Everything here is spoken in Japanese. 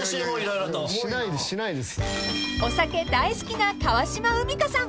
［お酒大好きな川島海荷さん］